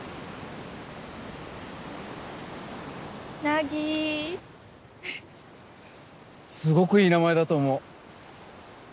凪すごくいい名前だと思う